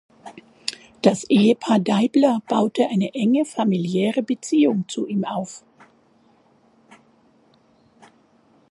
Das Ehepaar Deibler baute eine enge familiäre Beziehung zu ihm auf.